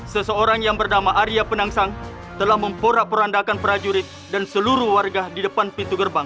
seseorang yang bernama arya penangsang telah memporak porandakan prajurit dan seluruh warga di depan pintu gerbang